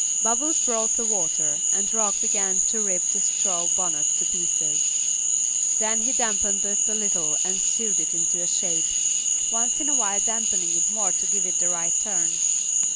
Bubbles brought the water, and Rock began to rip the straw bonnet to pieces; then he dampened it a little and sewed it into shape, once in a while dampening it more to give it the right turn.